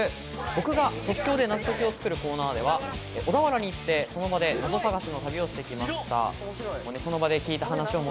僕が即興でナゾ解きを作るコーナーでは、小田原に行ってその場でナゾ探しの旅をしてきました。